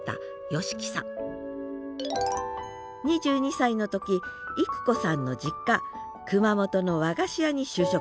２２歳の時郁子さんの実家熊本の和菓子屋に就職します。